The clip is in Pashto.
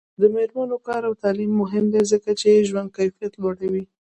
د میرمنو کار او تعلیم مهم دی ځکه چې ژوند کیفیت لوړوي.